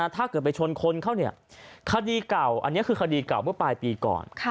ถ้าเกิดไปชนคนเขาคดีเก่าอันนี้คือคดีเก่าเมื่อปลายปีก่อน